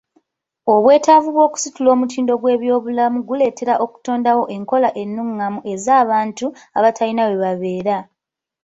Obwetaavu bw'okusitula omutindo gw'ebyobulamu guleetera okutondawo enkola ennungamu ez'abantu abatalina we babeera.